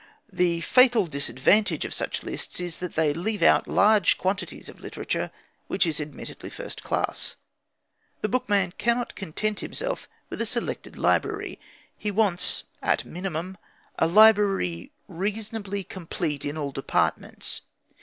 The fatal disadvantage of such lists is that they leave out large quantities of literature which is admittedly first class. The bookman cannot content himself with a selected library. He wants, as a minimum, a library reasonably complete in all departments.